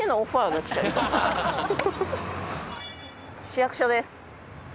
市役所です。